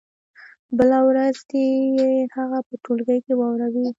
بله ورځ دې يې هغه په ټولګي کې واوروي.